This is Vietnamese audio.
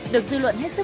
được dư luận hết sức